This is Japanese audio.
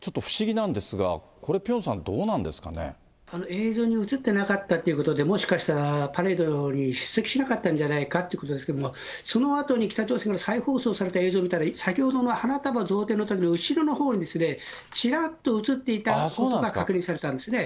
映像に映ってなかったということで、もしかしたら、パレードに出席しなかったんじゃないかということなんですけれども、そのあとに北朝鮮の再放送された映像見たら、先ほどの花束贈呈のときの、後ろのほうに、ちらっと映っていたことが確認されたんですね。